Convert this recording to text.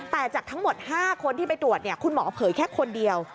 แต่จากทั้งหมด๕คนที่ไปตรวจคุณหมอเผยแค่คนเดียว